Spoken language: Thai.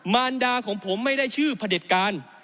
มารดาของผมไม่ได้ชื่อพระเด็จการ